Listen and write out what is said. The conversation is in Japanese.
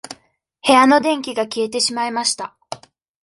部屋の電気が消えてしまいました。